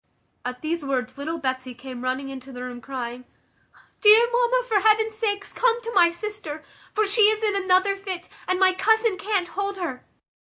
At these words little Betsy came running into the room, crying, "Dear mamma, for heaven's sake come to my sister; for she is in another fit, and my cousin can't hold her."